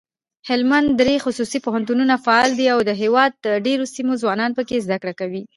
هلمندکې دري خصوصي پوهنتونونه فعال دي اودهیواد دډیروسیمو ځوانان پکښي زده کړه کوي.